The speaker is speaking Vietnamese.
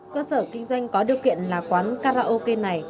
cơ sở kinh doanh có điều kiện là quán karaoke này